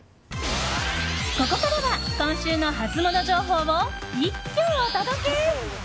ここからは今週のハツモノ情報を一挙お届け。